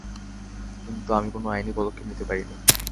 কিন্তু আমি কোনো আইনি পদক্ষেপ নিতে পারিনি।